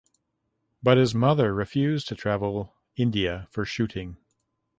But his mother refused to travel India for shooting.